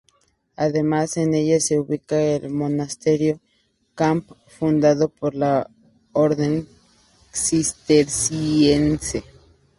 Además en ella se ubica el monasterio Kamp, fundado por la orden cisterciense.